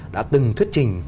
đã từng thuyết trình